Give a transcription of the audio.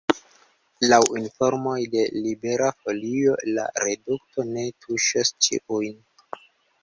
Laŭ informoj de Libera Folio la redukto ne tuŝos ĉiujn.